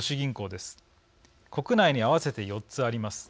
国内に合わせて４つあります。